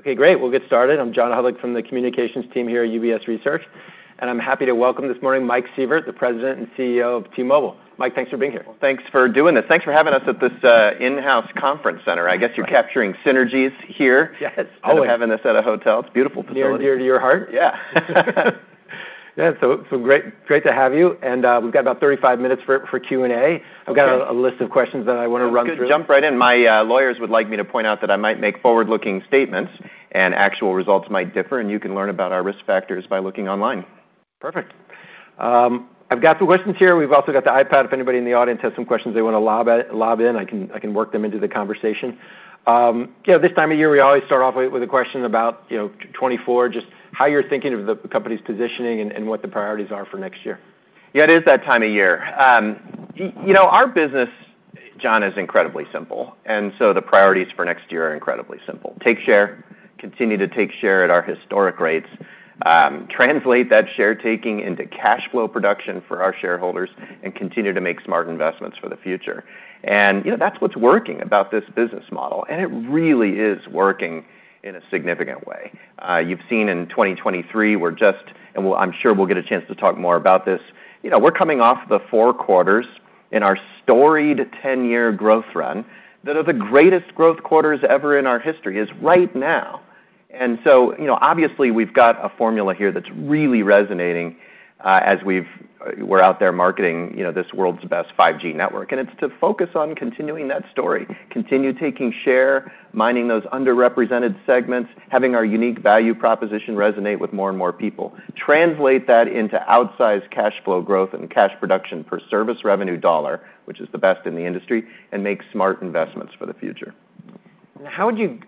Okay, great. We'll get started. I'm John Hodulik from the communications team here at UBS Research, and I'm happy to welcome this morning, Mike Sievert, the President and CEO of T-Mobile. Mike, thanks for being here. Thanks for doing this. Thanks for having us at this, in-house conference center. I guess you're capturing synergies here Yes. than having us at a hotel. It's beautiful facility. Near and dear to your heart? Yeah. Yeah, so great, great to have you. We've got about 35 minutes for Q&A. Okay. I've got a list of questions that I want to run through. Let's jump right in. My lawyers would like me to point out that I might make forward-looking statements, and actual results might differ, and you can learn about our risk factors by looking online. Perfect. I've got the questions here. We've also got the iPad. If anybody in the audience has some questions they want to lob in, I can work them into the conversation. You know, this time of year, we always start off with a question about 2024, just how you're thinking of the company's positioning and what the priorities are for next year. Yeah, it is that time of year. You know, our business, John, is incredibly simple, and so the priorities for next year are incredibly simple: take share, continue to take share at our historic rates, translate that share taking into cash flow production for our shareholders, and continue to make smart investments for the future. And, you know, that's what's working about this business model, and it really is working in a significant way. You've seen in 2023, we're just. And, I'm sure we'll get a chance to talk more about this. You know, we're coming off the four quarters in our storied ten-year growth run. That are the greatest growth quarters ever in our history, is right now. And so, you know, obviously, we've got a formula here that's really resonating, as we're out there marketing, you know, this world's best 5G network. And it's to focus on continuing that story, continue taking share, mining those underrepresented segments, having our unique value proposition resonate with more and more people. Translate that into outsized cash flow growth and cash production per service revenue dollar, which is the best in the industry, and make smart investments for the future. How would you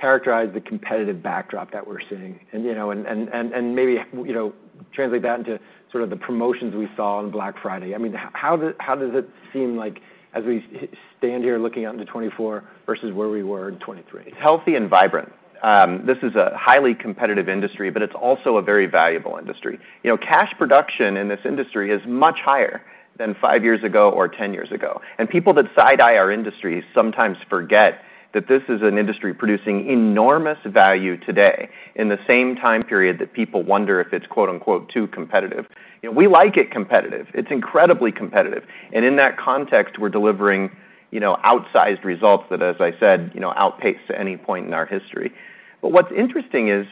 characterize the competitive backdrop that we're seeing? And, you know, maybe, you know, translate that into sort of the promotions we saw on Black Friday. I mean, how does it seem like as we stand here looking out into 2024 versus where we were in 2023? It's healthy and vibrant. This is a highly competitive industry, but it's also a very valuable industry. You know, cash production in this industry is much higher than five years ago or 10 years ago, and people that side-eye our industry sometimes forget that this is an industry producing enormous value today, in the same time period that people wonder if it's, quote, unquote, "too competitive." You know, we like it competitive. It's incredibly competitive, and in that context, we're delivering, you know, outsized results that, as I said, you know, outpaces any point in our history. But what's interesting is,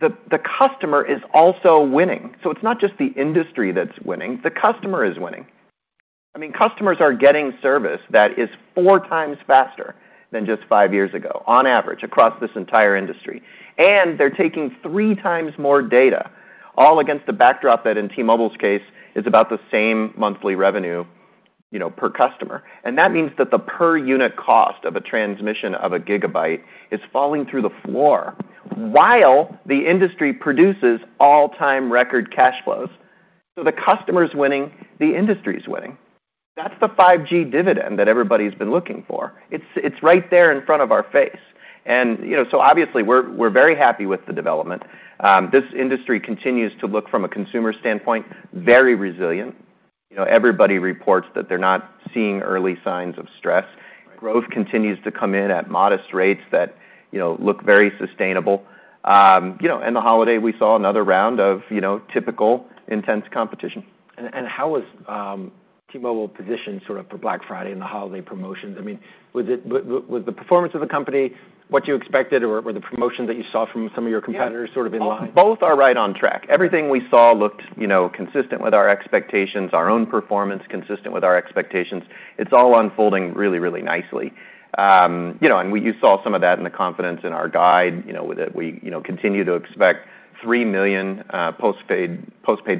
the customer is also winning. So it's not just the industry that's winning, the customer is winning. I mean, customers are getting service that is 4x faster than just five years ago, on average, across this entire industry. And they're taking three times more data, all against the backdrop that, in T-Mobile's case, is about the same monthly revenue, you know, per customer. And that means that the per unit cost of a transmission of a gigabyte is falling through the floor, while the industry produces all-time record cash flows. So the customer is winning, the industry is winning. That's the 5G dividend that everybody's been looking for. It's, it's right there in front of our face. And, you know, so obviously, we're, we're very happy with the development. This industry continues to look, from a consumer standpoint, very resilient. You know, everybody reports that they're not seeing early signs of stress. Right. Growth continues to come in at modest rates that, you know, look very sustainable. You know, in the holiday, we saw another round of, you know, typical intense competition. How was T-Mobile positioned sort of for Black Friday and the holiday promotions? I mean, was the performance of the company what you expected, or the promotions that you saw from some of your competitors sort of in line? Both are right on track. Yeah. Everything we saw looked, you know, consistent with our expectations, our own performance, consistent with our expectations. It's all unfolding really, really nicely. You know, and you saw some of that in the confidence in our guide. You know, with it, we, you know, continue to expect 3 million postpaid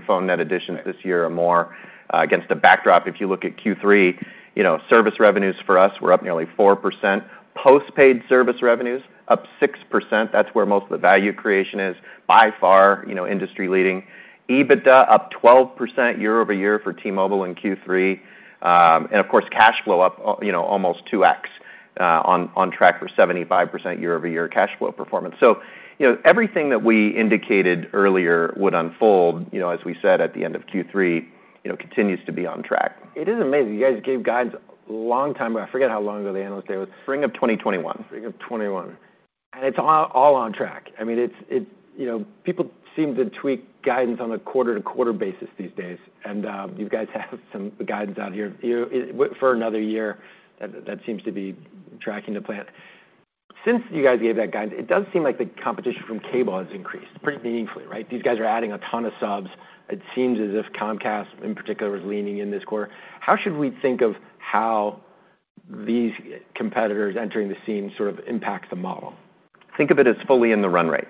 phone net additions this year- Right or more, against the backdrop. If you look at Q3, you know, service revenues for us were up nearly 4%. Postpaid service revenues, up 6%. That's where most of the value creation is, by far, you know, industry leading. EBITDA, up 12% year-over-year for T-Mobile in Q3. And of course, cash flow up, you know, almost 2x, on track for 75% year-over-year cash flow performance. So, you know, everything that we indicated earlier would unfold, you know, as we said at the end of Q3, you know, continues to be on track. It is amazing. You guys gave guidance a long time ago. I forget how long ago the Analyst Day was. Spring of 2021. Spring of 2021. And it's all on track. I mean, it. You know, people seem to tweak guidance on a quarter-to-quarter basis these days, and you guys have some guidance out here. You for another year, that seems to be tracking the plan. Since you guys gave that guidance, it does seem like the competition from cable has increased pretty meaningfully, right? These guys are adding a ton of subs. It seems as if Comcast, in particular, is leaning in this quarter. How should we think of how these competitors entering the scene sort of impact the model? Think of it as fully in the run rate.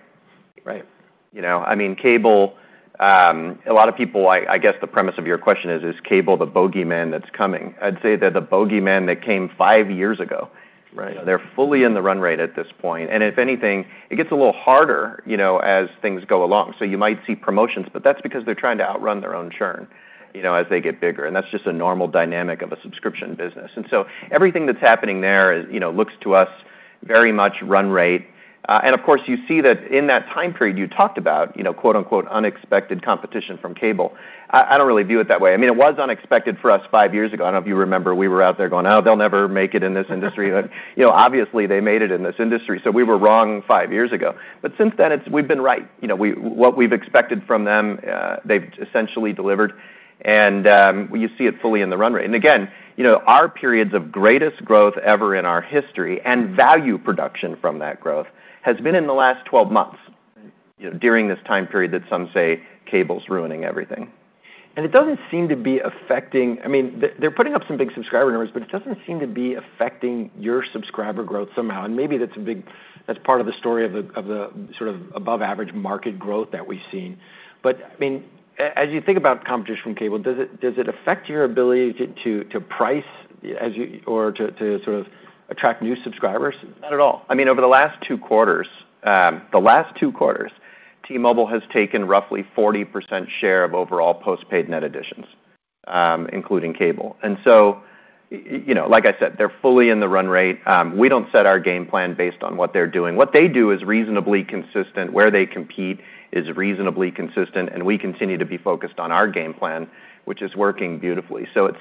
Right. You know, I mean, cable, a lot of people—I guess the premise of your question is, is cable the bogeyman that's coming? I'd say they're the bogeyman that came five years ago. Right. They're fully in the run rate at this point, and if anything, it gets a little harder, you know, as things go along. So you might see promotions, but that's because they're trying to outrun their own churn, you know, as they get bigger, and that's just a normal dynamic of a subscription business. And so everything that's happening there, you know, looks to us very much run rate. And of course, you see that in that time period you talked about, you know, quote, unquote, "unexpected competition from cable." I don't really view it that way. I mean, it was unexpected for us five years ago. I don't know if you remember, we were out there going: "Oh, they'll never make it in this industry." But, you know, obviously, they made it in this industry, so we were wrong five years ago. But since then, it's we've been right. You know, what we've expected from them, they've essentially delivered, and you see it fully in the run rate. And again, you know, our periods of greatest growth ever in our history and value production from that growth has been in the last 12 months- Right you know, during this time period that some say cable's ruining everything. And it doesn't seem to be affecting—I mean, they're, they're putting up some big subscriber numbers, but it doesn't seem to be affecting your subscriber growth somehow, and maybe that's a big—that's part of the story of the, of the sort of above-average market growth that we've seen. But, I mean, as you think about competition from cable, does it, does it affect your ability to, to, to price as you or to, to sort of attract new subscribers? Not at all. I mean, over the last two quarters, the last two quarters, T-Mobile has taken roughly 40% share of overall postpaid net additions, including cable. And so, you know, like I said, they're fully in the run rate. We don't set our game plan based on what they're doing. What they do is reasonably consistent. Where they compete is reasonably consistent, and we continue to be focused on our game plan, which is working beautifully. So it's,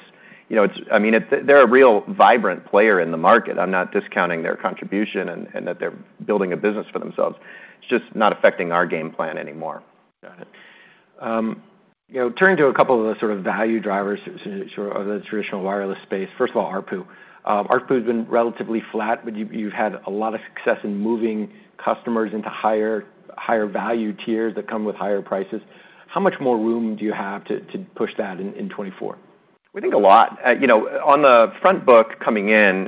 you know, it's I mean, they're a real vibrant player in the market. I'm not discounting their contribution and that they're building a business for themselves. It's just not affecting our game plan anymore. Got it. You know, turning to a couple of the sort of value drivers, so sort of the traditional wireless space. First of all, ARPU. ARPU has been relatively flat, but you've, you've had a lot of success in moving customers into higher, higher value tiers that come with higher prices. How much more room do you have to, to push that in, in 2024? We think a lot. You know, on the front book coming in,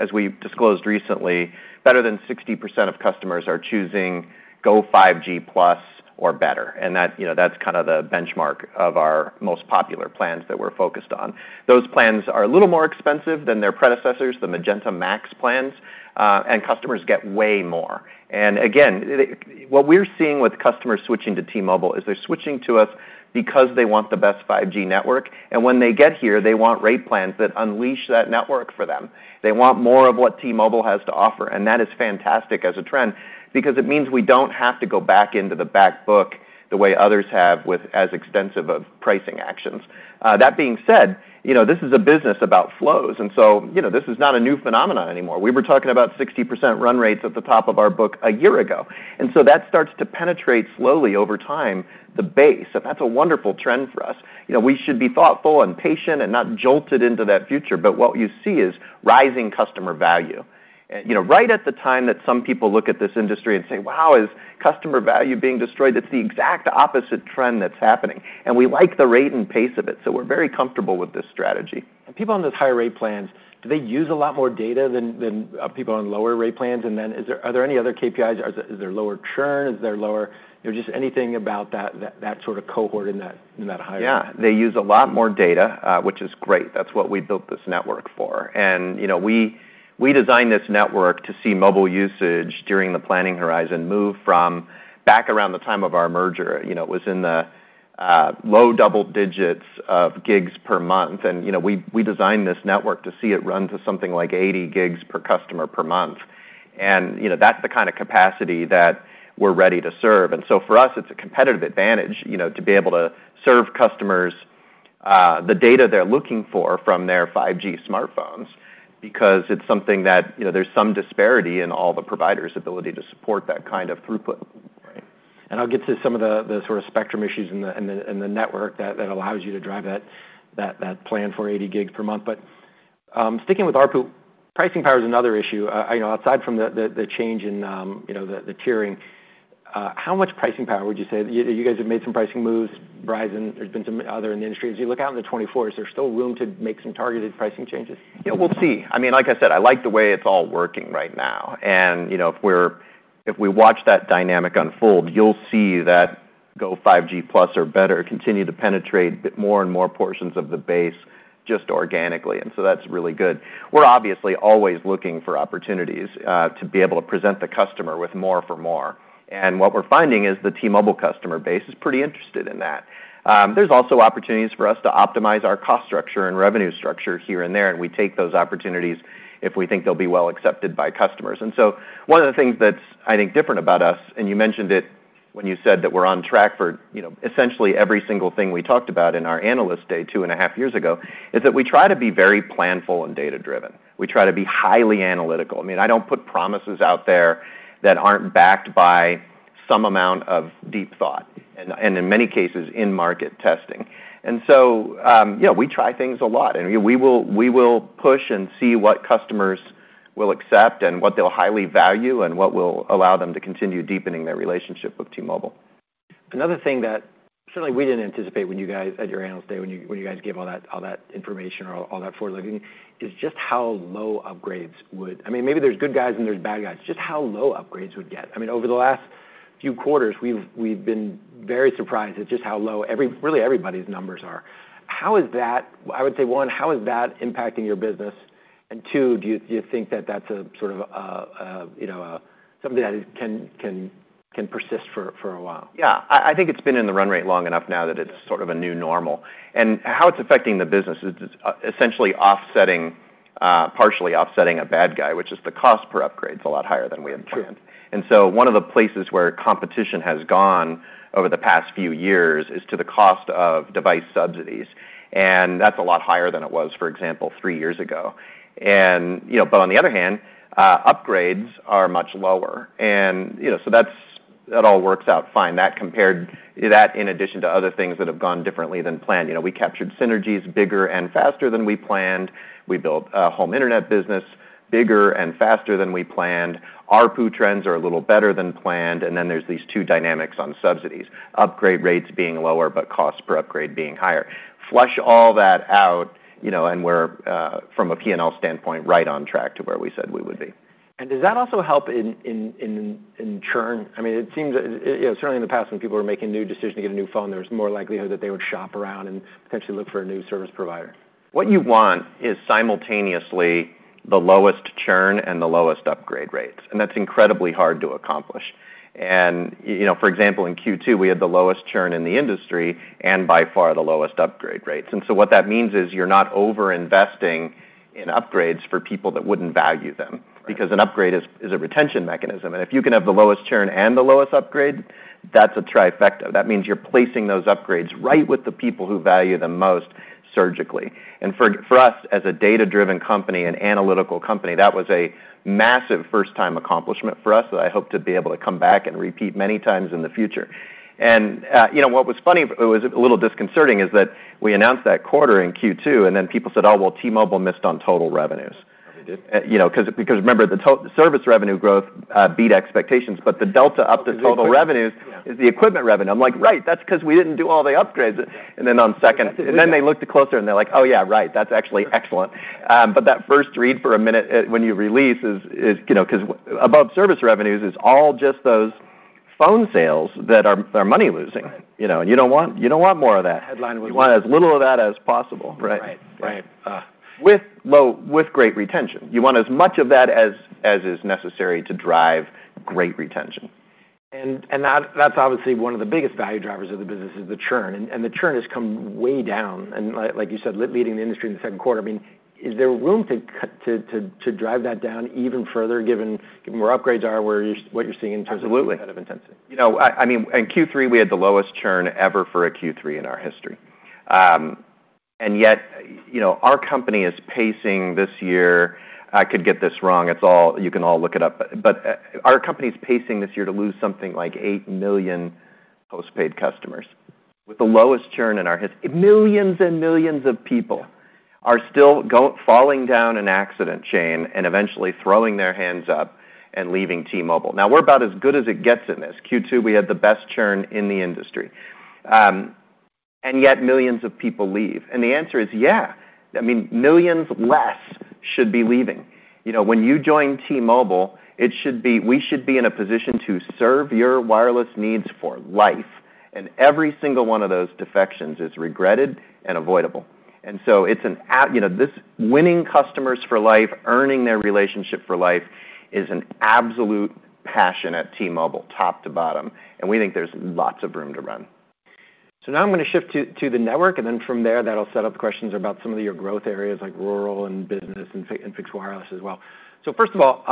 as we've disclosed recently, better than 60% of customers are choosing Go5G Plus or better, and that, you know, that's kind of the benchmark of our most popular plans that we're focused on. Those plans are a little more expensive than their predecessors, the Magenta MAX plans, and customers get way more. And again, what we're seeing with customers switching to T-Mobile is they're switching to us because they want the best 5G network, and when they get here, they want rate plans that unleash that network for them. They want more of what T-Mobile has to offer, and that is fantastic as a trend because it means we don't have to go back into the back book the way others have with as extensive of pricing actions. That being said, you know, this is a business about flows, and so, you know, this is not a new phenomenon anymore. We were talking about 60% run rates at the top of our book a year ago, and so that starts to penetrate slowly over time, the base. So that's a wonderful trend for us. You know, we should be thoughtful and patient and not jolted into that future, but what you see is rising customer value. And, you know, right at the time that some people look at this industry and say, "Wow, is customer value being destroyed?" That's the exact opposite trend that's happening, and we like the rate and pace of it, so we're very comfortable with this strategy. People on those higher rate plans, do they use a lot more data than people on lower rate plans? And then, are there any other KPIs? Is there lower churn, is there lower. You know, just anything about that sort of cohort in that higher- Yeah, they use a lot more data, which is great. That's what we built this network for. And, you know, we, we designed this network to see mobile usage during the planning horizon move from back around the time of our merger. You know, it was in the low double digits of gigs per month, and, you know, we, we designed this network to see it run to something like 80 gigs per customer per month. And, you know, that's the kind of capacity that we're ready to serve. And so for us, it's a competitive advantage, you know, to be able to serve customers the data they're looking for from their 5G smartphones, because it's something that, you know, there's some disparity in all the providers' ability to support that kind of throughput. Right. And I'll get to some of the sort of spectrum issues and the network that allows you to drive that plan for 80 gigs per month. But sticking with ARPU, pricing power is another issue. You know, aside from the change in you know, the tiering, how much pricing power would you say. you guys have made some pricing moves, Verizon, there's been some other in the industry. As you look out in 2024, is there still room to make some targeted pricing changes? Yeah, we'll see. I mean, like I said, I like the way it's all working right now. And, you know, if we watch that dynamic unfold, you'll see that Go5G Plus or better continue to penetrate more and more portions of the base just organically, and so that's really good. We're obviously always looking for opportunities to be able to present the customer with more for more. And what we're finding is the T-Mobile customer base is pretty interested in that. There's also opportunities for us to optimize our cost structure and revenue structure here and there, and we take those opportunities if we think they'll be well accepted by customers. And so one of the things that's, I think, different about us, and you mentioned it when you said that we're on track for, you know, essentially every single thing we talked about in our Analyst Day two and a half years ago, is that we try to be very planful and data-driven. We try to be highly analytical. I mean, I don't put promises out there that aren't backed by some amount of deep thought, and in many cases, in-market testing. And so, yeah, we try things a lot. And we will push and see what customers will accept and what they'll highly value and what will allow them to continue deepening their relationship with T-Mobile. Another thing that certainly we didn't anticipate when you guys at your Analyst Day, when you guys gave all that information or all that forward looking, is just how low upgrades would get. I mean, maybe there's good guys and there's bad guys. Just how low upgrades would get. I mean, over the last few quarters, we've been very surprised at just how low everybody's numbers are. How is that impacting your business? I would say, one, how is that impacting your business? And two, do you think that that's a sort of, you know, something that can persist for a while? Yeah. I, I think it's been in the run rate long enough now that it's sort of a new normal. And how it's affecting the business is it's essentially partially offsetting a bad guy, which is the cost per upgrade is a lot higher than we had planned. True. And so one of the places where competition has gone over the past few years is to the cost of device subsidies, and that's a lot higher than it was, for example, three years ago. And, you know, but on the other hand, upgrades are much lower. And, you know, so that all works out fine. That, in addition to other things that have gone differently than planned. You know, we captured synergies bigger and faster than we planned. We built a home internet business bigger and faster than we planned. ARPU trends are a little better than planned, and then there's these two dynamics on subsidies, upgrade rates being lower, but costs per upgrade being higher. Flush all that out, you know, and we're, from a P&L standpoint, right on track to where we said we would be. Does that also help in churn? I mean, it seems, you know, certainly in the past, when people were making new decisions to get a new phone, there was more likelihood that they would shop around and potentially look for a new service provider. What you want is simultaneously the lowest churn and the lowest upgrade rates, and that's incredibly hard to accomplish. And, you know, for example, in Q2, we had the lowest churn in the industry and by far the lowest upgrade rates. And so what that means is you're not over-investing in upgrades for people that wouldn't value them- Right because an upgrade is a retention mechanism, and if you can have the lowest churn and the lowest upgrade, that's a trifecta. That means you're placing those upgrades right with the people who value the most surgically. And for us, as a data-driven company, an analytical company, that was a massive first-time accomplishment for us that I hope to be able to come back and repeat many times in the future. And, you know, what was funny, it was a little disconcerting, is that we announced that quarter in Q2, and then people said: "Oh, well, T-Mobile missed on total revenues. Oh, they did? You know, 'cause, because remember, the service revenue growth beat expectations, but the delta up to total revenues- Yeah is the equipment revenue. I'm like, "Right, that's 'cause we didn't do all the upgrades. Right. And then on second. That's it. Then they looked closer, and they're like, "Oh, yeah, right. That's actually excellent. Right. But that first read for a minute, when you release, you know, 'cause above service revenues is all just those phone sales that are money-losing. Right. You know, and you don't want, you don't want more of that. Headline was You want as little of that as possible, right? Right. Right, With great retention. You want as much of that as is necessary to drive great retention. And that's obviously one of the biggest value drivers of the business is the churn, and the churn has come way down, and like you said, leading the industry in the second quarter. I mean, is there room to drive that down even further, given where upgrades are, what you're seeing in terms of- Absolutely kind of intensity? You know, I mean, in Q3, we had the lowest churn ever for a Q3 in our history. And yet, you know, our company is pacing this year. I could get this wrong, it's all- you can all look it up, but, our company is pacing this year to lose something like 8 million postpaid customers, with the lowest churn in our hist- millions and millions of people- Yeah are still going falling down an accident chain and eventually throwing their hands up and leaving T-Mobile. Now, we're about as good as it gets in this. Q2, we had the best churn in the industry. And yet millions of people leave. And the answer is yes. I mean, millions less should be leaving. You know, when you join T-Mobile, it should be we should be in a position to serve your wireless needs for life, and every single one of those defections is regretted and avoidable. And so it's an absolute. You know, this winning customers for life, earning their relationship for life is an absolute passion at T-Mobile, top to bottom, and we think there's lots of room to run. So now I'm gonna shift to the network, and then from there, that'll set up questions about some of your growth areas, like rural and business and fixed, and fixed wireless as well. So first of all,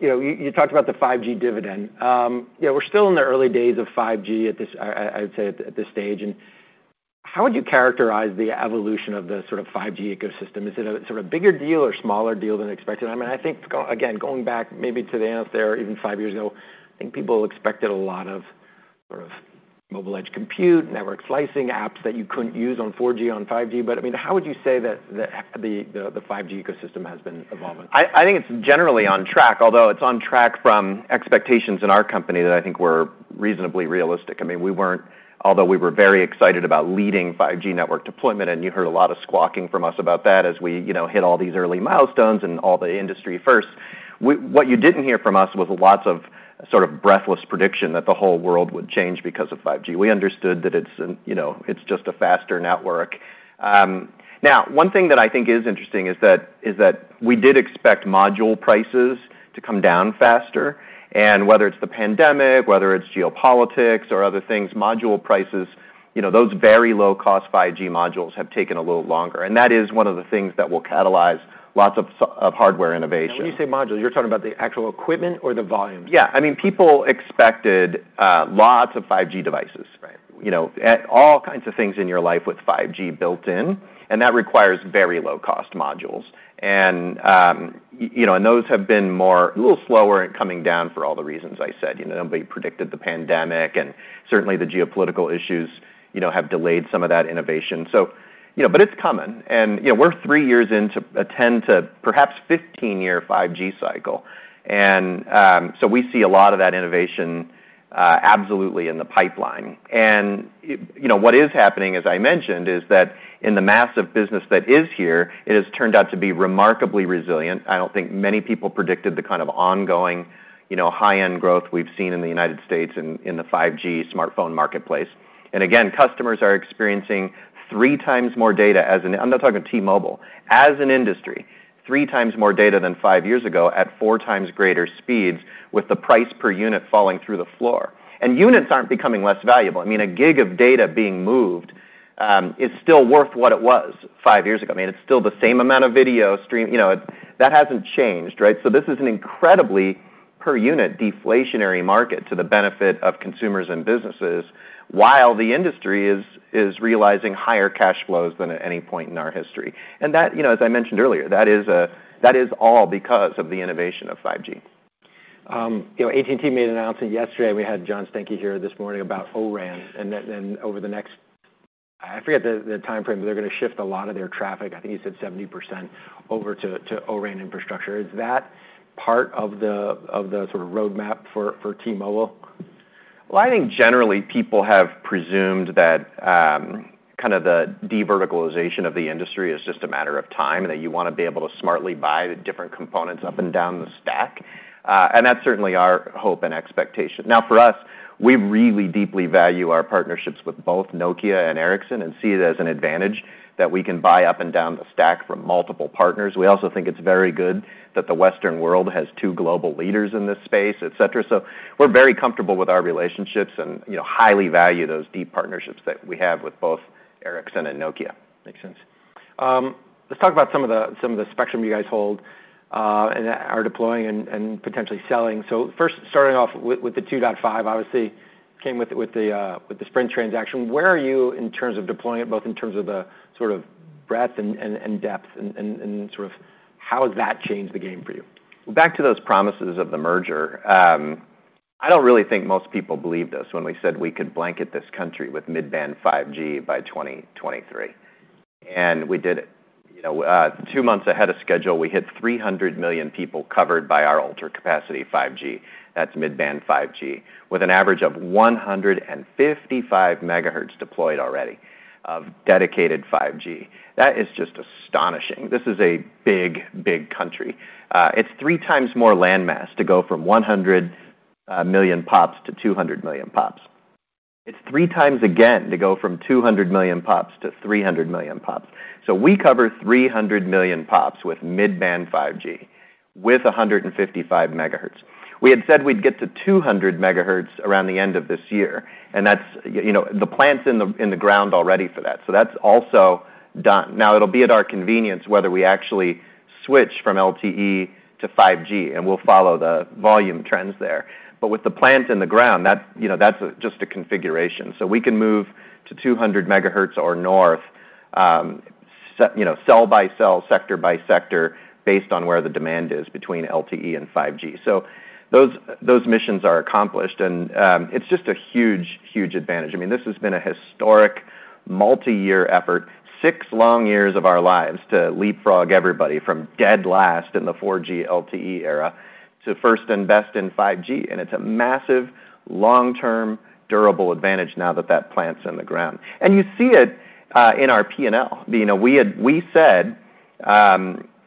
you know, you talked about the 5G dividend. You know, we're still in the early days of 5G at this, I'd say, at this stage, and how would you characterize the evolution of the sort of 5G ecosystem? Is it a sort of bigger deal or smaller deal than expected? I mean, I think, going back maybe to the answer, even five years ago, I think people expected a lot of sort of mobile edge compute, network slicing, apps that you couldn't use on 4G, on 5G, but, I mean, how would you say that the 5G ecosystem has been evolving? I think it's generally on track, although it's on track from expectations in our company that I think were reasonably realistic. I mean, we weren't. Although we were very excited about leading 5G network deployment, and you heard a lot of squawking from us about that as we, you know, hit all these early milestones and all the industry first, what you didn't hear from us was lots of sort of breathless prediction that the whole world would change because of 5G. We understood that it's, you know, it's just a faster network. Now, one thing that I think is interesting is that we did expect module prices to come down faster, and whether it's the pandemic, whether it's geopolitics or other things, module prices, you know, those very low-cost 5G modules have taken a little longer, and that is one of the things that will catalyze lots of sorts of hardware innovation. When you say modules, you're talking about the actual equipment or the volume? Yeah. I mean, people expected lots of 5G devices. Right. You know, at all kinds of things in your life with 5G built in, and that requires very low-cost modules. And, you know, and those have been more, a little slower at coming down for all the reasons I said. You know, nobody predicted the pandemic, and certainly, the geopolitical issues, you know, have delayed some of that innovation. So, you know, but it's coming. And, you know, we're three years into a 10- to perhaps 15-year 5G cycle, and, so we see a lot of that innovation, absolutely in the pipeline. And, you know, what is happening, as I mentioned, is that in the massive business that is here, it has turned out to be remarkably resilient. I don't think many people predicted the kind of ongoing, you know, high-end growth we've seen in the United States in the 5G smartphone marketplace. And again, customers are experiencing 3 times more data. I'm not talking T-Mobile. As an industry, 3x more data than five years ago, at 4x greater speeds, with the price per unit falling through the floor. And units aren't becoming less valuable. I mean, a gig of data being moved is still worth what it was five years ago. I mean, it's still the same amount of video stream, you know, that hasn't changed, right? So this is an incredibly per unit deflationary market to the benefit of consumers and businesses, while the industry is realizing higher cash flows than at any point in our history. And that, you know, as I mentioned earlier, that is all because of the innovation of 5G. You know, AT&T made an announcement yesterday, we had John Stankey here this morning, about O-RAN, and that then over the next. I forget the time frame, but they're gonna shift a lot of their traffic, I think he said 70%, over to O-RAN infrastructure. Is that part of the sort of roadmap for T-Mobile? Well, I think generally people have presumed that, kind of the de-verticalization of the industry is just a matter of time, and that you wanna be able to smartly buy the different components up and down the stack. That's certainly our hope and expectation. Now, for us, we really deeply value our partnerships with both Nokia and Ericsson, and see it as an advantage that we can buy up and down the stack from multiple partners. We also think it's very good that the Western world has two global leaders in this space, et cetera. So we're very comfortable with our relationships and, you know, highly value those deep partnerships that we have with both Ericsson and Nokia. Makes sense. Let's talk about some of the spectrum you guys hold, and are deploying and potentially selling. So first, starting off with the 2.5, obviously, came with the Sprint transaction. Where are you in terms of deploying it, both in terms of the sort of breadth and depth and sort of how has that changed the game for you? Back to those promises of the merger, I don't really think most people believed us when we said we could blanket this country with mid-band 5G by 2023, and we did it. You know, two months ahead of schedule, we hit 300 million people covered by our Ultra Capacity 5G. That's mid-band 5G, with an average of 155 megahertz deployed already of dedicated 5G. That is just astonishing. This is a big, big country. It's 3x more landmass to go from 100 million pops to 200 million pops. It's 3x again to go from 200 million pops to 300 million pops. So we cover 300 million pops with mid-band 5G, with 155 megahertz. We had said we'd get to 200 megahertz around the end of this year, and that's, you know, the plant's in the ground already for that, so that's also done. Now, it'll be at our convenience whether we actually switch from LTE to 5G, and we'll follow the volume trends there. But with the plant in the ground, that's, you know, that's just a configuration. So we can move to 200 megahertz or north, you know, cell by cell, sector by sector, based on where the demand is between LTE and 5G. So those, those missions are accomplished, and, it's just a huge, huge advantage. I mean, this has been a historic, multi-year effort, six long years of our lives to leapfrog everybody from dead last in the 4G LTE era to first and best in 5G. It's a massive, long-term, durable advantage now that that plant's in the ground. You see it in our P&L. You know, we had, we said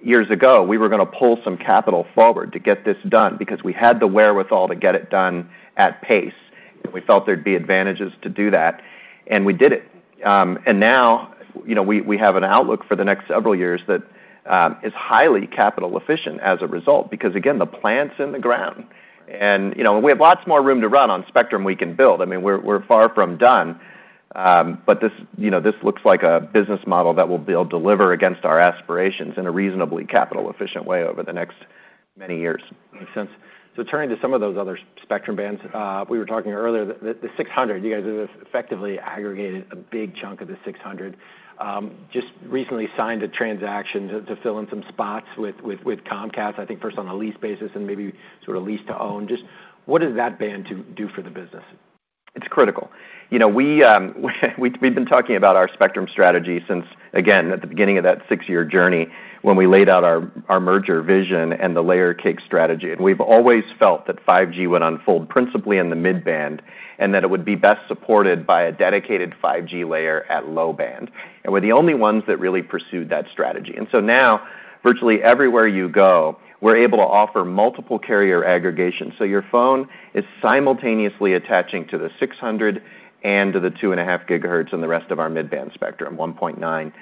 years ago, we were gonna pull some capital forward to get this done because we had the wherewithal to get it done at pace, and we felt there'd be advantages to do that, and we did it. And now, you know, we, we have an outlook for the next several years that is highly capital efficient as a result. Because, again, the plant's in the ground and, you know, we have lots more room to run on spectrum we can build. I mean, we're, we're far from done, but this, you know, this looks like a business model that will be able to deliver against our aspirations in a reasonably capital efficient way over the next many years. Makes sense. So turning to some of those other spectrum bands, we were talking earlier, the 600, you guys have effectively aggregated a big chunk of the 600. Just recently signed a transaction to fill in some spots with Comcast, I think first on a lease basis and maybe sort of lease to own. Just what does that band do for the business? It's critical. You know, we've been talking about our spectrum strategy since, again, at the beginning of that six-year journey when we laid out our merger vision and the layer cake strategy. We've always felt that 5G would unfold principally in the mid-band, and that it would be best supported by a dedicated 5G layer at low band. We're the only ones that really pursued that strategy. So now, virtually everywhere you go, we're able to offer multiple carrier aggregation. So your phone is simultaneously attaching to the 600 and to the 2.5 gigahertz in the rest of our mid-band spectrum, 1.9.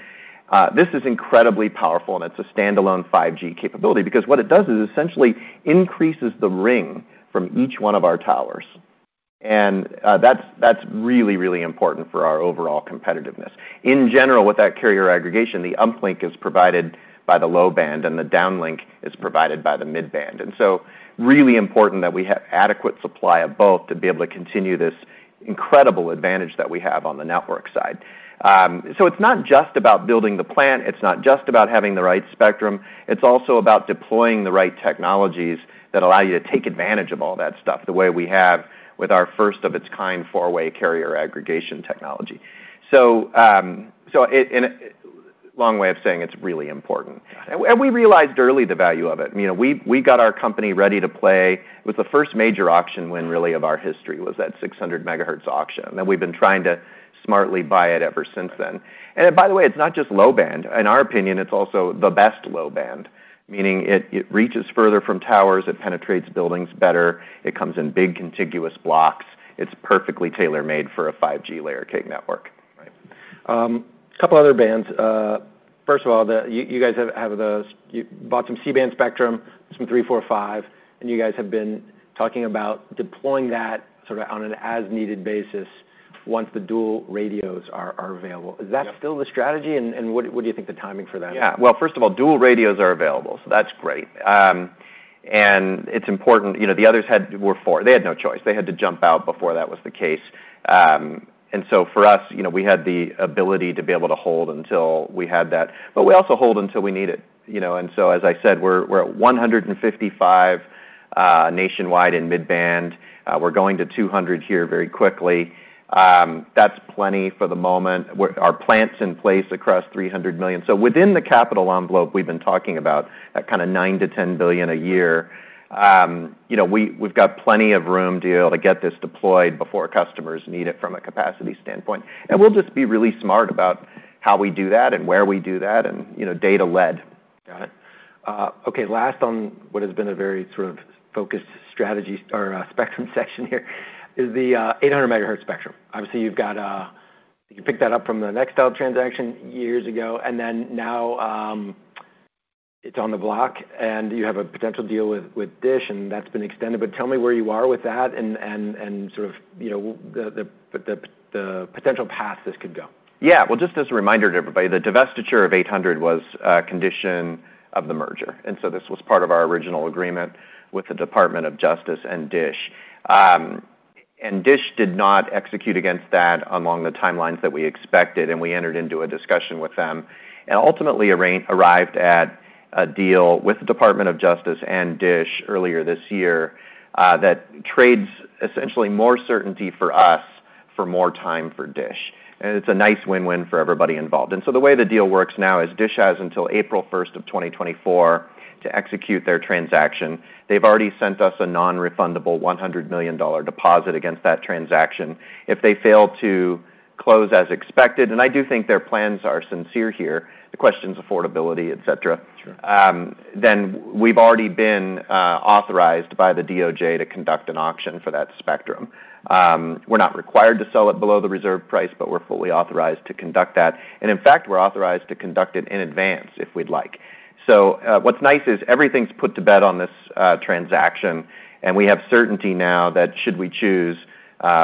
This is incredibly powerful and it's a standalone 5G capability, because what it does is essentially increases the ring from each one of our towers, and that's really, really important for our overall competitiveness. In general, with that carrier aggregation, the uplink is provided by the low band, and the downlink is provided by the mid band. And so really important that we have adequate supply of both to be able to continue this incredible advantage that we have on the network side. So it's not just about building the plant, it's not just about having the right spectrum, it's also about deploying the right technologies that allow you to take advantage of all that stuff, the way we have with our first of its kind four-way Carrier Aggregation technology. Long way of saying it's really important Got it. We realized early the value of it. You know, we, we got our company ready to play with the first major auction win, really, of our history, was that 600 megahertz auction, and we've been trying to smartly buy it ever since then. By the way, it's not just low band. In our opinion, it's also the best low band, meaning it, it reaches further from towers, it penetrates buildings better, it comes in big contiguous blocks. It's perfectly tailor-made for a 5G Layer Cake network. Right. A couple other bands, first of all, you guys have bought some C-band spectrum, some three, four, five, and you guys have been talking about deploying that sort of on an as-needed basis once the dual radios are available. Yeah. Is that still the strategy? And what do you think the timing for that is? Yeah. Well, first of all, dual radios are available, so that's great. And it's important. You know, the others had four. They had no choice. They had to jump out before that was the case. And so for us, you know, we had the ability to be able to hold until we had that. But we also hold until we need it, you know. And so, as I said, we're at 155 nationwide in mid-band. We're going to 200 here very quickly. That's plenty for the moment. Our plans in place across 300 million. So within the capital envelope, we've been talking about that kind of $9 billion-$10 billion a year. You know, we've got plenty of room to be able to get this deployed before customers need it from a capacity standpoint. We'll just be really smart about how we do that and where we do that, and, you know, data-led. Got it. Okay, last on what has been a very sort of focused strategy or spectrum section here is the 800 megahertz spectrum. Obviously, you've got you picked that up from the Nextel transaction years ago, and then now it's on the block, and you have a potential deal with DISH, and that's been extended. But tell me where you are with that and sort of, you know, the potential path this could go. Yeah. Well, just as a reminder to everybody, the divestiture of 800 was a condition of the merger, and so this was part of our original agreement with the Department of Justice and DISH. And DISH did not execute against that along the timelines that we expected, and we entered into a discussion with them. And ultimately, arrived at a deal with the Department of Justice and DISH earlier this year, that trades essentially more certainty for us for more time for DISH. And it's a nice win-win for everybody involved. And so the way the deal works now is DISH has until April 1, 2024 to execute their transaction. They've already sent us a non-refundable $100 million deposit against that transaction. If they fail to close as expected, and I do think their plans are sincere here, the question's affordability, et cetera- Sure then we've already been authorized by the DOJ to conduct an auction for that spectrum. We're not required to sell it below the reserve price, but we're fully authorized to conduct that. And in fact, we're authorized to conduct it in advance, if we'd like. So, what's nice is everything's put to bed on this transaction, and we have certainty now that should we choose,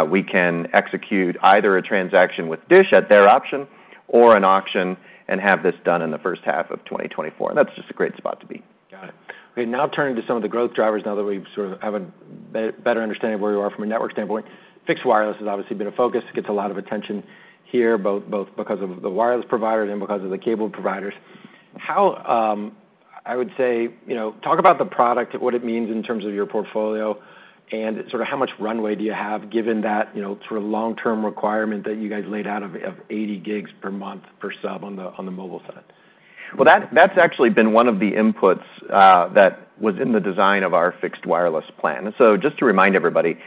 we can execute either a transaction with DISH at their option or an auction and have this done in the first half of 2024. And that's just a great spot to be. Got it. Okay, now turning to some of the growth drivers, now that we sort of have a better understanding of where you are from a network standpoint. Fixed wireless has obviously been a focus; it gets a lot of attention here, both because of the wireless providers and because of the cable providers. How, I would say, you know, talk about the product and what it means in terms of your portfolio, and sort of how much runway do you have, given that, you know, sort of long-term requirement that you guys laid out of 80 gigs per month per sub on the mobile side? Well, that, that's actually been one of the inputs that was in the design of our fixed wireless plan. So just to remind everybody,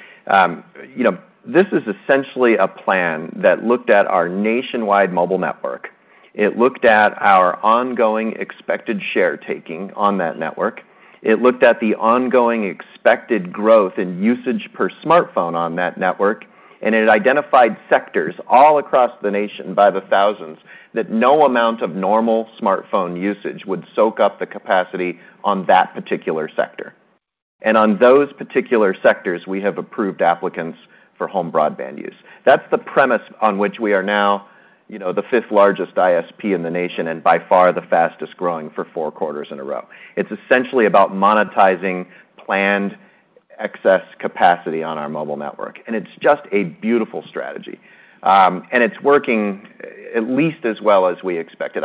you know, this is essentially a plan that looked at our nationwide mobile network. It looked at our ongoing expected share taking on that network. It looked at the ongoing expected growth in usage per smartphone on that network, and it identified sectors all across the nation by the thousands, that no amount of normal smartphone usage would soak up the capacity on that particular sector. And on those particular sectors, we have approved applicants for home broadband use. That's the premise on which we are now, you know, the fifth largest ISP in the nation, and by far the fastest growing for four quarters in a row. It's essentially about monetizing planned excess capacity on our mobile network, and it's just a beautiful strategy. And it's working at least as well as we expected.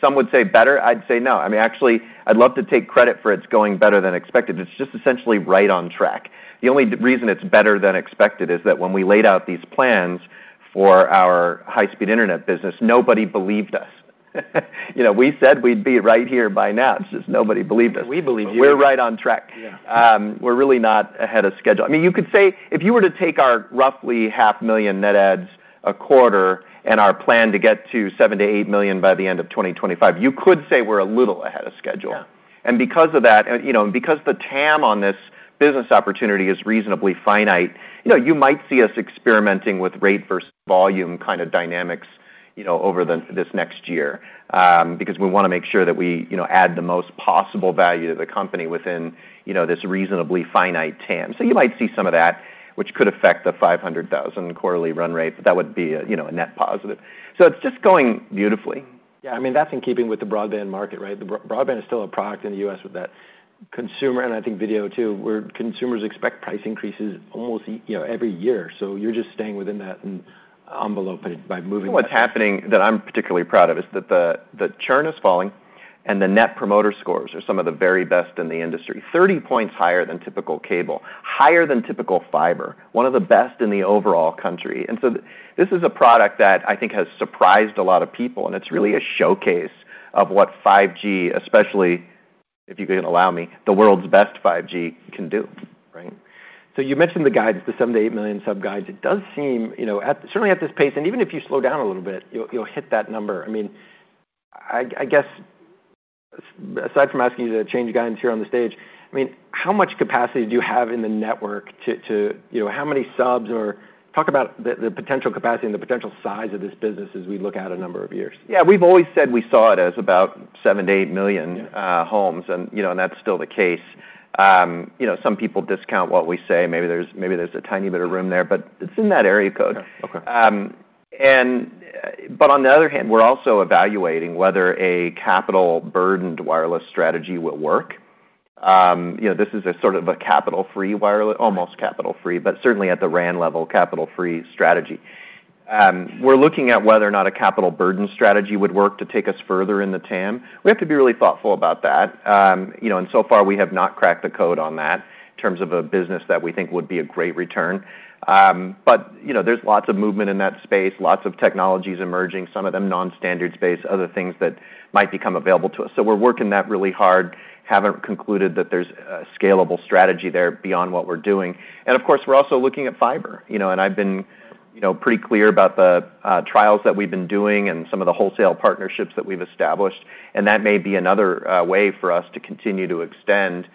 Some would say better. I'd say no. I mean, actually, I'd love to take credit for its going better than expected. It's just essentially right on track. The only reason it's better than expected is that when we laid out these plans for our high-speed internet business, nobody believed us. You know, we said we'd be right here by now. It's just nobody believed us. We believed you. We're right on track. Yeah. We're really not ahead of schedule. I mean, you could say, if you were to take our roughly 500,000 net adds a quarter and our plan to get to 7 million-8 million by the end of 2025, you could say we're a little ahead of schedule. Yeah. And because of that, and, you know, because the TAM on this business opportunity is reasonably finite, you know, you might see us experimenting with rate versus volume kind of dynamics, you know, over this next year. Because we wanna make sure that we, you know, add the most possible value to the company within, you know, this reasonably finite TAM. So you might see some of that, which could affect the 500,000 quarterly run rate, but that would be a, you know, a net positive. So it's just going beautifully. Yeah, I mean, that's in keeping with the broadband market, right? The broadband is still a product in the U.S. with that consumer, and I think video too, where consumers expect price increases almost, you know, every year. So you're just staying within that envelope by moving- What's happening that I'm particularly proud of is that the churn is falling, and the Net Promoter Scores are some of the very best in the industry. 30 points higher than typical cable, higher than typical fiber, one of the best in the overall country. And so this is a product that I think has surprised a lot of people, and it's really a showcase of what 5G, especially, if you can allow me, the world's best 5G, can do. Right. So you mentioned the guides, the 7 million-8 million sub guides. It does seem, you know, at—certainly at this pace, and even if you slow down a little bit, you'll hit that number. I mean, I guess... aside from asking you to change guidance here on the stage, I mean, how much capacity do you have in the network to, to, you know, how many subs? Or talk about the, the potential capacity and the potential size of this business as we look out a number of years. Yeah, we've always said we saw it as about 7 million-8 million- Yeah Homes, and, you know, and that's still the case. You know, some people discount what we say. Maybe there's, maybe there's a tiny bit of room there, but it's in that area code. Okay. But on the other hand, we're also evaluating whether a capital-burdened wireless strategy will work. You know, this is a sort of almost capital-free, but certainly at the RAN level, capital-free strategy. We're looking at whether or not a capital-burdened strategy would work to take us further in the TAM. We have to be really thoughtful about that. You know, and so far we have not cracked the code on that in terms of a business that we think would be a great return. But, you know, there's lots of movement in that space, lots of technologies emerging, some of them non-standards-based, other things that might become available to us. So we're working that really hard. Haven't concluded that there's a scalable strategy there beyond what we're doing. And of course, we're also looking at fiber, you know, and I've been, you know, pretty clear about the trials that we've been doing and some of the wholesale partnerships that we've established, and that may be another way for us to continue to extend,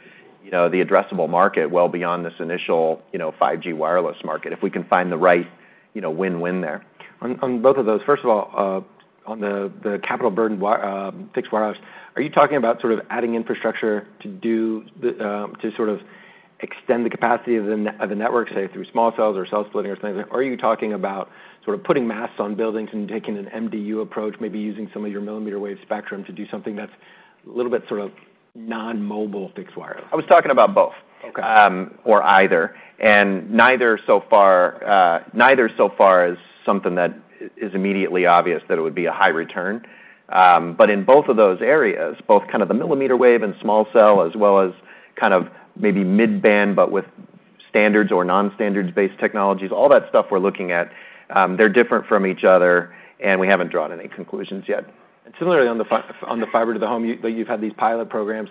you know, the addressable market well beyond this initial, you know, 5G wireless market, if we can find the right, you know, win-win there. On both of those, first of all, on the capital-burdened fixed wireless, are you talking about sort of adding infrastructure to sort of extend the capacity of the network, say, through small cells or cell splitting or things? Or are you talking about sort of putting masts on buildings and taking an MDU approach, maybe using some of your millimeter wave spectrum to do something that's a little bit sort of non-mobile fixed wireless? I was talking about both. Okay. Or either, and neither so far, neither so far is something that is immediately obvious that it would be a high return. But in both of those areas, both kind of the millimeter wave and small cell, as well as kind of maybe mid-band, but with standards or non-standards-based technologies, all that stuff we're looking at, they're different from each other, and we haven't drawn any conclusions yet. And similarly, on the fiber to the home, you, you've had these pilot programs.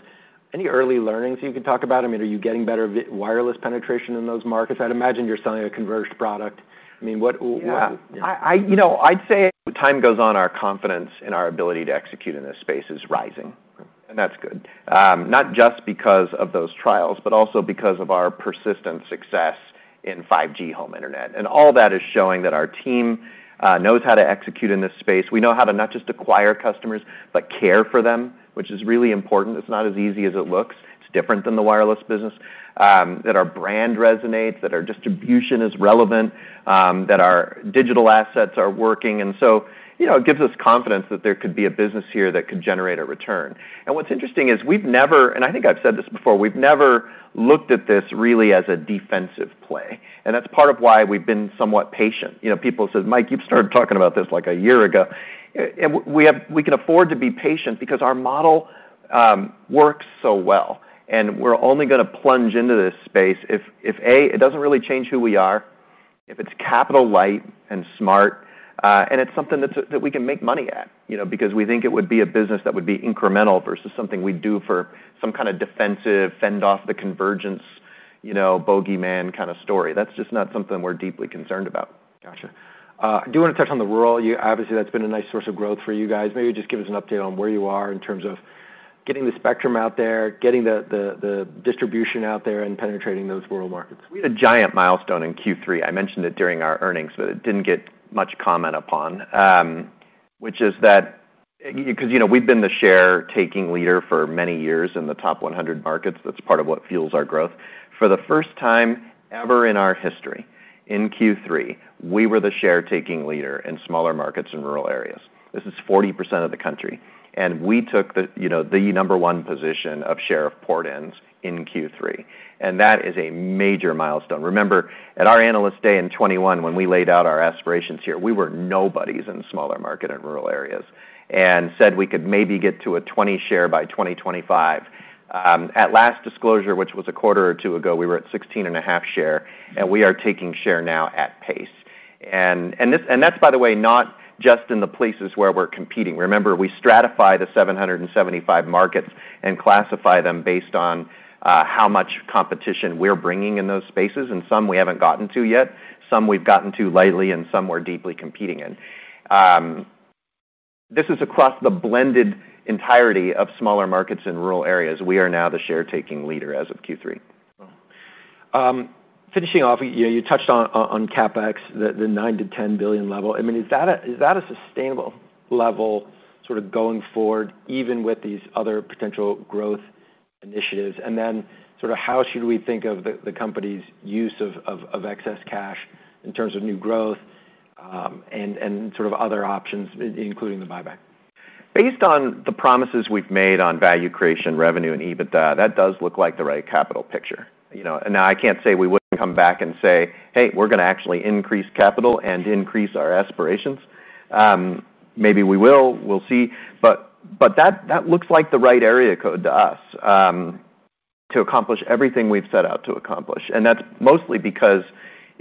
Any early learnings you can talk about? I mean, are you getting better wireless penetration in those markets? I'd imagine you're selling a converged product. I mean, what, what- Yeah. You know, I'd say as time goes on, our confidence in our ability to execute in this space is rising. Okay. And that's good. Not just because of those trials, but also because of our persistent success in 5G home internet. And all that is showing that our team knows how to execute in this space. We know how to not just acquire customers, but care for them, which is really important. It's not as easy as it looks. It's different than the wireless business. That our brand resonates, that our distribution is relevant, that our digital assets are working. And so, you know, it gives us confidence that there could be a business here that could generate a return. And what's interesting is we've never, and I think I've said this before, we've never looked at this really as a defensive play, and that's part of why we've been somewhat patient. You know, people said, "Mike, you've started talking about this like a year ago." And we can afford to be patient because our model works so well, and we're only gonna plunge into this space if, A, it doesn't really change who we are, if it's capital light and smart, and it's something that's, that we can make money at, you know, because we think it would be a business that would be incremental versus something we'd do for some kind of defensive, fend off the convergence, you know, bogeyman kind of story. That's just not something we're deeply concerned about. Gotcha. I do want to touch on the rural. You obviously, that's been a nice source of growth for you guys. Maybe just give us an update on where you are in terms of getting the spectrum out there, getting the distribution out there, and penetrating those rural markets. We had a giant milestone in Q3. I mentioned it during our earnings, but it didn't get much comment upon. Which is that, because, you know, we've been the share-taking leader for many years in the top 100 markets. That's part of what fuels our growth. For the first time ever in our history, in Q3, we were the share-taking leader in smaller markets and rural areas. This is 40% of the country, and we took the, you know, the number one position of share of port-ins in Q3, and that is a major milestone. Remember, at our Analyst Day in 2021, when we laid out our aspirations here, we were nobodies in the smaller market and rural areas, and said we could maybe get to a 20 share by 2025. At last disclosure, which was a quarter or two ago, we were at 16.5 share, and we are taking share now at pace. And this and that's, by the way, not just in the places where we're competing. Remember, we stratify the 775 markets and classify them based on how much competition we're bringing in those spaces, and some we haven't gotten to yet, some we've gotten to lately, and some we're deeply competing in. This is across the blended entirety of smaller markets in rural areas. We are now the share-taking leader as of Q3. Finishing off, you touched on CapEx, the $9 billion-$10 billion level. I mean, is that a sustainable level, sort of going forward, even with these other potential growth initiatives? And then sort of how should we think of the company's use of excess cash in terms of new growth, and sort of other options, including the buyback? Based on the promises we've made on value creation, revenue, and EBITDA, that does look like the right capital picture, you know. Now, I can't say we wouldn't come back and say, "Hey, we're gonna actually increase capital and increase our aspirations." Maybe we will. We'll see. But that looks like the right area code to us, to accomplish everything we've set out to accomplish, and that's mostly because,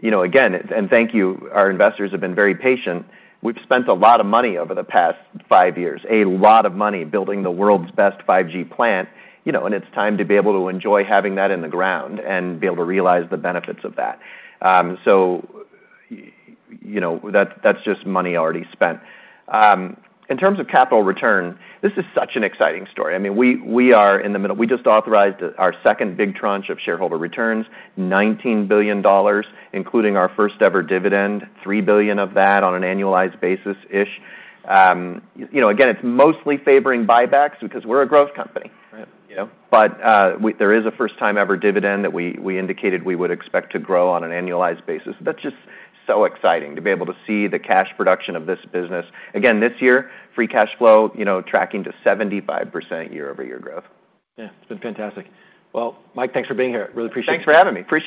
you know, again, thank you, our investors have been very patient. We've spent a lot of money over the past five years, a lot of money building the world's best 5G plant, you know, and it's time to be able to enjoy having that in the ground and be able to realize the benefits of that. So, you know, that's just money already spent. In terms of capital return, this is such an exciting story. I mean, we, we are in the middle. We just authorized our second big tranche of shareholder returns, $19 billion, including our first-ever dividend, $3 billion of that on an annualized basis-ish. You know, again, it's mostly favoring buybacks because we're a growth company. Right. You know, but, there is a first-time-ever dividend that we indicated we would expect to grow on an annualized basis. That's just so exciting to be able to see the cash production of this business. Again, this year, free cash flow, you know, tracking to 75% year-over-year growth. Yeah, it's been fantastic. Well, Mike, thanks for being here. Really appreciate it. Thanks for having me. Appreciate it.